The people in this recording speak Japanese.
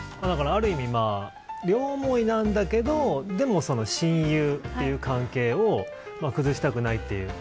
ある意味、両思いなんだけどでも親友という関係を崩したくないという。